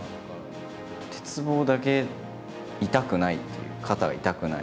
鉄棒だけ痛くないという、肩が痛くない。